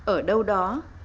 ở đâu đó